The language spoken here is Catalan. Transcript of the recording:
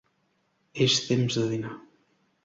És temps de dinar.